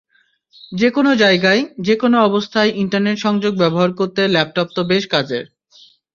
যেকোনো জায়গায়, যেকোনো অবস্থায় ইন্টারনেট সংযোগ ব্যবহার করতে ল্যাপটপ তো বেশ কাজের।